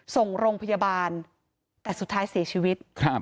ส่งโรงพยาบาลแต่สุดท้ายเสียชีวิตครับ